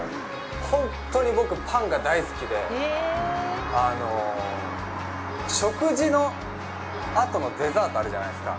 本当に僕、パンが大好きで、食事の後のデザートあるじゃないですか。